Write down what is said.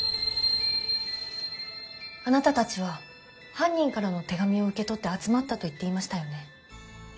あなたたちは犯人からの手紙を受け取って集まったと言っていましたよね？